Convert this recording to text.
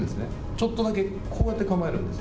ちょっとだけこうやって構えるんです。